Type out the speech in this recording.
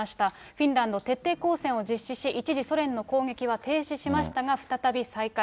フィンランド、徹底抗戦を実施し、一時、ソ連の攻撃は停止しましたが、再び再開。